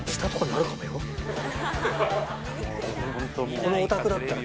このお宅だったら。